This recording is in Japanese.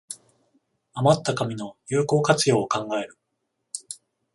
あまった紙の有効活用を考える